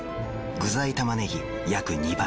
具材たまねぎ約２倍。